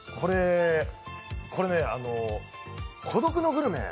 これね、「孤独のグルメ」